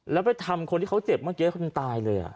แล้วไปทำคนที่เขาเจ็บเมื่อกี้คนตายเลย